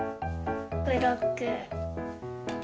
ブロック。